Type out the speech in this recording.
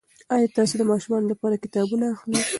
ایا تاسي د ماشومانو لپاره کتابونه اخلئ؟